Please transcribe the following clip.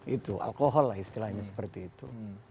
itu alkohol lah istilahnya seperti itu